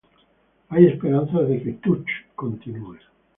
Hay esperanzas de que "Touch" continúe".